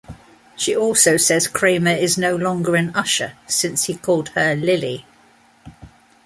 She also says Kramer is no longer an usher since he called her "Lily".